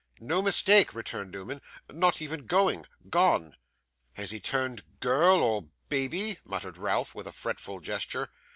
'No mistake,' returned Newman. 'Not even going; gone.' 'Has he turned girl or baby?' muttered Ralph, with a fretful gesture.